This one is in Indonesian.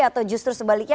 atau justru sebaliknya